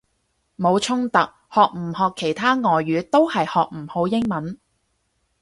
冇衝突，學唔學其他外語都係學唔好英文！